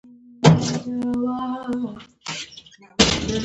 افغانستان تر هغو نه ابادیږي، ترڅو ټیکنالوژي د پرمختګ لپاره ونه کارول شي.